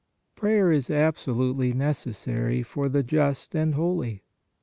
PRAYER is ABSOLUTELY NECESSARY FOR THE JUST AND HOLY.